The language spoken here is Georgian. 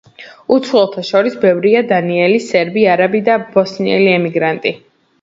უცხოელთა შორის ბევრია დანიელი, სერბი, არაბი და ბოსნიელი ემიგრანტი.